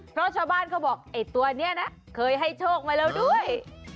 เพราะชาวบ้านเขาบอกไอ้ตัวนี้นะเคยให้โชคมาแล้วด้วย